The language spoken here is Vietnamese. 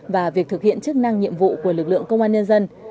và việc thực hiện chức năng nhiệm vụ của lực lượng công an nhân dân